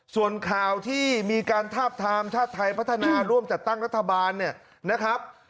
ส่วนข่าวที่มีการทาบทามชาติไทยพัฒนาร่วมจัดตั้งรัฐบาลเนี่ยนะครับ